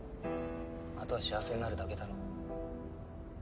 あとは幸せになるだけだろ。